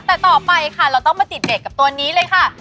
แต่ต่อไปค่ะเราต้องมาติดเบรกกับตัวนี้เลยค่ะ